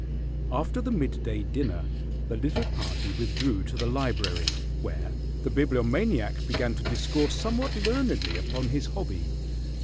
After the mid day dinner the little party withdrew to the library, where the Bibliomaniac began to discourse somewhat learnedly upon his hobby.